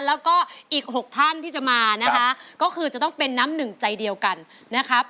แล้วก็อีก๖ท่านที่จะมานะคะก็คือจะต้องเป็นน้ำหนึ่งใจเดียวกันนะครับ